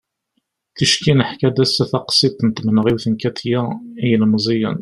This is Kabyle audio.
ticki neḥka-d ass-a taqsiḍt n tmenɣiwt n katia i yilmeẓyen